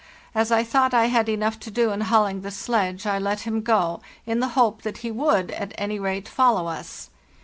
As I thought I had enough to do in hauling the sledge, I let him go, in the hope that he would, at any rate, follow us.